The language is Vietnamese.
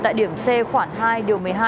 tại điểm c khoảng hai điều một mươi hai